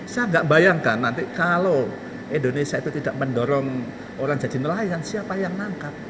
saya nggak bayangkan nanti kalau indonesia itu tidak mendorong orang jadi nelayan siapa yang nangkap